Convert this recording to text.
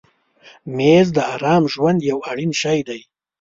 مېز د آرام ژوند یو اړین شی دی.